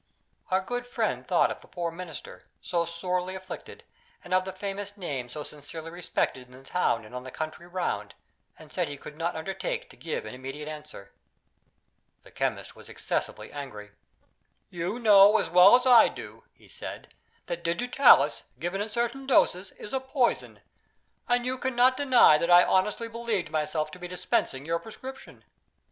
Our good friend thought of the poor Minister, so sorely afflicted, and of the famous name so sincerely respected in the town and in the country round, and said he could not undertake to give an immediate answer. The chemist was excessively angry. "You know as well as I do," he said, "that Digitalis, given in certain doses, is a poison, and you cannot deny that I honestly believed myself to be dispensing your prescription.